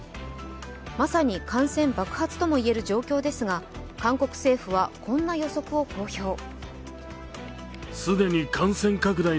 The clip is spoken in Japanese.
まさに感染爆発とも言える状況ですが韓国政府はこんな予測を公表。